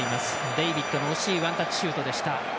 デイビスの惜しいワンタッチシュートでした。